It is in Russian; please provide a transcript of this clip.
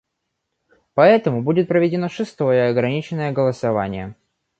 Поэтому будет проведено шестое ограниченное голосование.